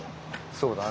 そうだね。